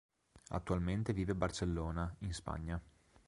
Attualmente vive a Barcellona, in Spagna.